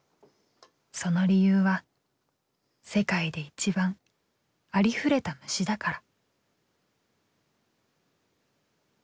その理由は「世界で一番ありふれた虫だから」。